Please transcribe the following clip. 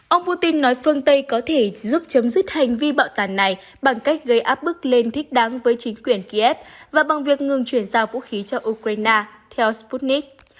ông putin nói phương tây có thể giúp chấm dứt hành vi bạo tàn này bằng cách gây áp bức lên thích đáng với chính quyền kiev và bằng việc ngừng chuyển giao vũ khí cho ukraine theo sputnik